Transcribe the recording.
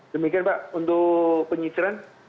demikian pak untuk penyiciran